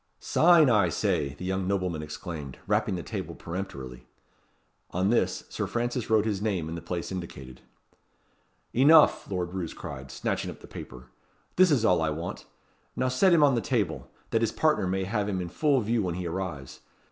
"Sign, I say," the young nobleman exclaimed, rapping the table peremptorily. On this, Sir Francis wrote his name in the place indicated. "Enough!" Lord Roos cried, snatching up the paper. "This is all I want. Now set him on the table, that his partner may have him in full view when he arrives.